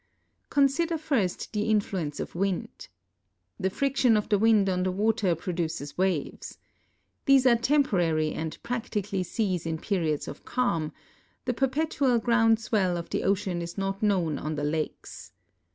Consider first the influence of wind. The friction of the wind on the water produces waves. These are temporar}^ and practi cally cease in periods of calm ; the perpetual ground swell of the ocean is not known on the lakes.